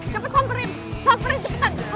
cepet samperin samperin cepetan